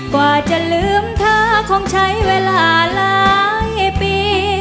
กว่าจะลืมเธอคงใช้เวลาหลายปี